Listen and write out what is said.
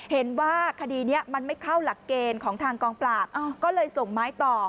เห็นว่าคดีนี้มันไม่เข้าหลักเกณฑ์ของทางกองปราบก็เลยส่งไม้ต่อ